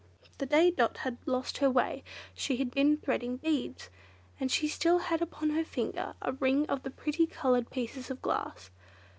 The day Dot had lost her way she had been threading beads, and she still had upon her finger a ring of the pretty coloured pieces of glass.